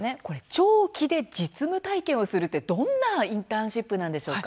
長期で実務体験をするどんなインターンシップなんでしょうか。